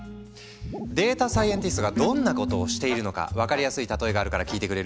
データサイエンティストがどんなことをしているのか分かりやすい例えがあるから聞いてくれる？